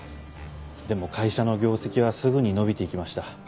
でも会社の業績はすぐに伸びていきました。